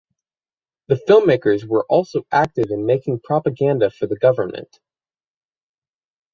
The filmmakers were also active in making propaganda for the government.